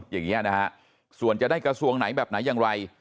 ส่วนจะได้ประกษัตริย์กระทะวังไหนแบบไหนอย่างไร